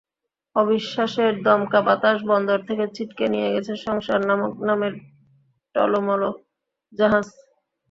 অবিশ্বাসের দমকা বাতাস বন্দর থেকে ছিটকে নিয়ে গেছে সংসার নামের টলোমলো জাহাজ।